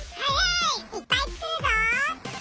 いっぱいつくるぞ！